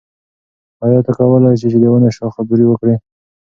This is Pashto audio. آیا ته کولای شې چې د ونو شاخه بري وکړې؟